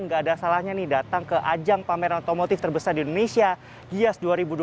nggak ada salahnya nih datang ke ajang pameran otomotif terbesar di indonesia gias dua ribu dua puluh